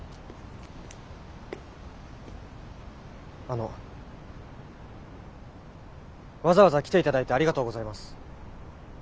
あのわざわざ来ていただいてありがとうございます。